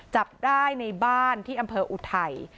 จับได้ในบ้านที่อำเภออุทัย